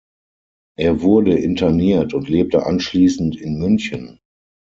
Er wurde interniert und lebte anschließend in München.